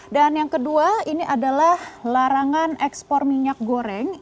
dan yang kedua ini adalah larangan ekspor minyak goreng